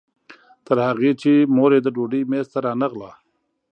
تر هغې چې مور یې د ډوډۍ میز ته رانغله.